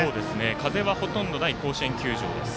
風はほとんどない甲子園球場。